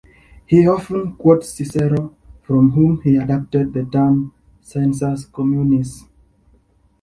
He often quotes Cicero, from whom he adopted the term "sensus communis".